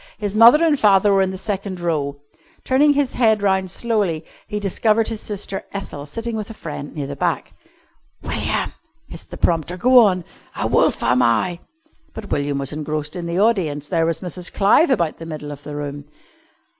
His mother and father were in the second row. Turning his head round slowly he discovered his sister Ethel sitting with a friend near the back. "William," hissed the prompter, "go on! 'A wolf am I '" But William was engrossed in the audience. There was Mrs. Clive about the middle of the room.